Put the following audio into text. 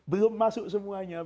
belum masuk semuanya